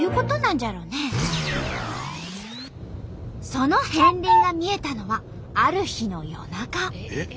その片りんが見えたのはある日の夜中。